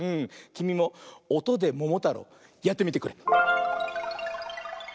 きみも「おとでももたろう」やってみてくれ。